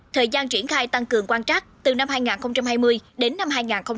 thời gian triển khai tăng cường quan trắc từ năm hai nghìn hai mươi đến năm hai nghìn hai mươi một